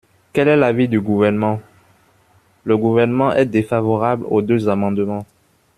Quel est l’avis du Gouvernement ? Le Gouvernement est défavorable aux deux amendements.